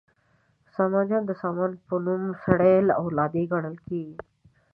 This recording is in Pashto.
سامانیان د سامان په نوم سړي له اولاده ګڼل کیږي.